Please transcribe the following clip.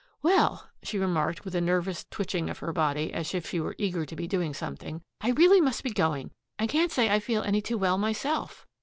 "Well," she remarked with a nervous twitching of her body, as if she were eager to be doing something, "I really must be going. I can't say I feel any too well myself."